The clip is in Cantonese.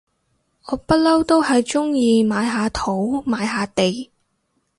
我不嬲都係中意買下土買下地